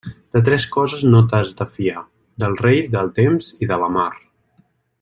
De tres coses no t'has de fiar: del rei, del temps i de la mar.